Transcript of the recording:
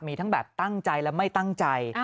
มีทั้งแบบตั้งใจและไม่ตั้งใจ